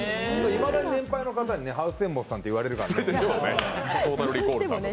いまだに年配の方に、ハウステンボスさんって言われるから。